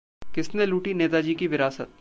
किसने लूटी नेताजी की विरासत?